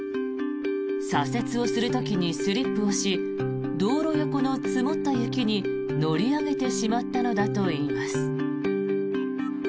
左折をする時にスリップをし道路横の積もった雪に乗り上げてしまったのだといいます。